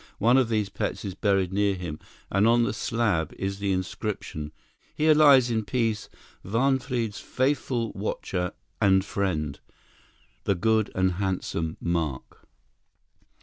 One of these pets is buried near him, and on the slab is the inscription: "Here lies in peace Wahnfried's faithful watcher and friend—the good and handsome Mark."